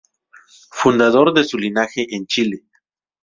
Fundador de su linaje en Chile.